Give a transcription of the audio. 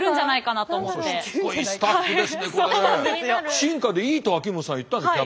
進化でいいと秋元さんは言ったんですよ